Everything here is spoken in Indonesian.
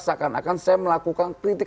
seakan akan saya melakukan kritik